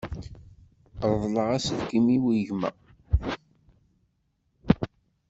Reḍleɣ aselkim-iw i gma.